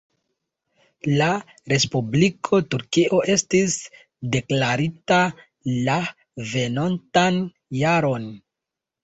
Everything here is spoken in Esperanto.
La Respubliko Turkio estis deklarita la venontan jaron.